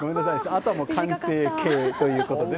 あとは完成形ということで。